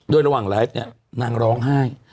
โดยระหว่างไลฟ์เนี่ยนางร้องไห้